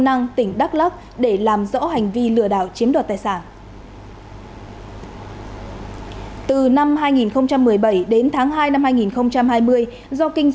cần tiền trả nợ nên lợi dụng diễn biến phức tạp